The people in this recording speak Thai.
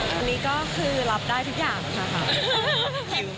อันนี้ก็คือรับได้ทุกอย่างค่ะ